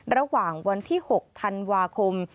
ระหว่างวันที่๖ธันวาคม